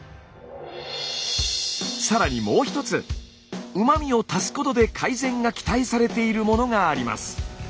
更にもう一つうま味を足すことで改善が期待されているものがあります。